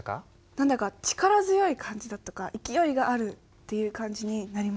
何だか力強い感じだとか勢いがあるっていう感じになりました。